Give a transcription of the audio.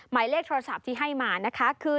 หมายเลขโทรศัพท์ที่ให้มานะคะคือ